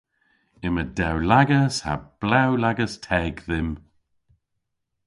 Yma dewlagas ha blew lagas teg dhymm.